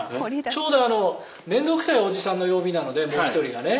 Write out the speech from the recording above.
「ちょうど面倒くさいおじさんの曜日なのでもう１人がね」